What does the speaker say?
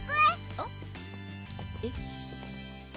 あっえっ？